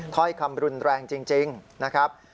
ถ้อยคำรุนแรงจริงนะครับ